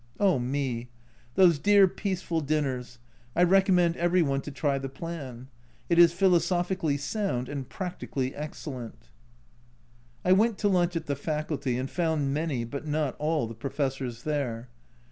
Oh me ! those dear peaceful dinners I recommend every one to try the plan ; it is philosophically sound and practically excellent. I went to lunch at the Faculty and found many, but not all, the Professors there.